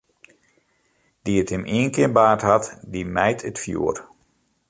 Dy't him ienkear baarnd hat, dy mijt it fjoer.